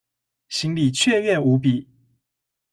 心裡雀躍無比